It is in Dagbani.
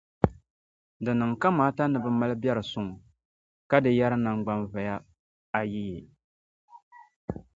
Di niŋ kamaata ni bɛ mali biɛr’ suŋ, ka di yɛri naŋgbanvoya ayiyi.